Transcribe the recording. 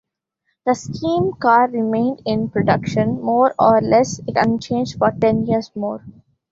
The steam car remained in production more or less unchanged for ten years more.